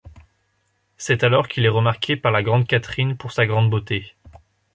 C'est alors qu'il est remarqué par la Grande Catherine pour sa grande beauté.